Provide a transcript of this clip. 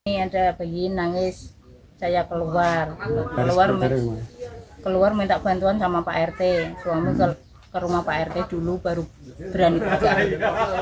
saya sama pak rt dulu baru berani berjalan